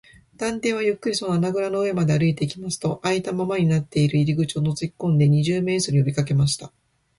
探偵はゆっくりその穴ぐらの上まで歩いていきますと、あいたままになっている入り口をのぞきこんで、二十面相によびかけました。